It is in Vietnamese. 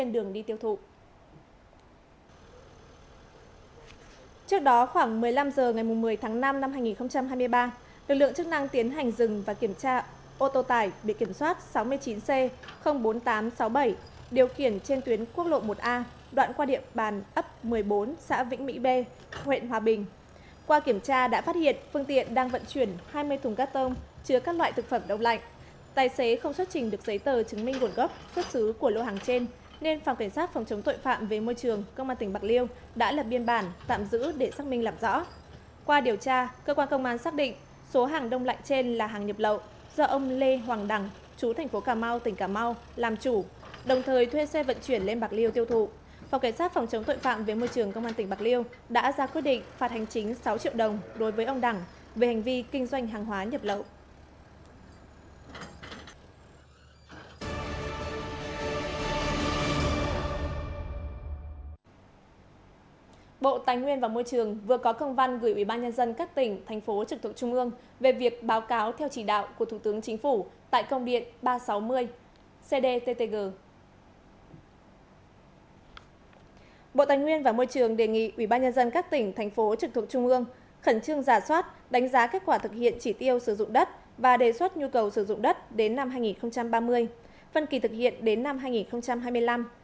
bộ tài nguyên và môi trường đề nghị ubnd các tỉnh thành phố trực thuộc trung ương khẩn trương giả soát đánh giá kết quả thực hiện chỉ tiêu sử dụng đất và đề xuất nhu cầu sử dụng đất đến năm hai nghìn ba mươi phân kỳ thực hiện đến năm hai nghìn hai mươi năm